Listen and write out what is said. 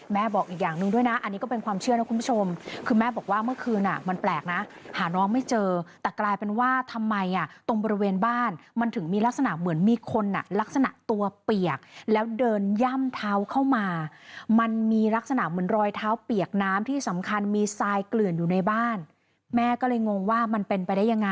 บอกอีกอย่างหนึ่งด้วยนะอันนี้ก็เป็นความเชื่อนะคุณผู้ชมคือแม่บอกว่าเมื่อคืนมันแปลกนะหาน้องไม่เจอแต่กลายเป็นว่าทำไมอ่ะตรงบริเวณบ้านมันถึงมีลักษณะเหมือนมีคนอ่ะลักษณะตัวเปียกแล้วเดินย่ำเท้าเข้ามามันมีลักษณะเหมือนรอยเท้าเปียกน้ำที่สำคัญมีทรายเกลื่อนอยู่ในบ้านแม่ก็เลยงงว่ามันเป็นไปได้ยังไง